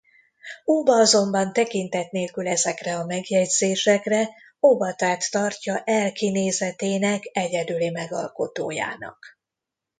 Óba azonban tekintet nélkül ezekre a megjegyzésekre Obatát tartja L kinézetének egyedüli megalkotójának.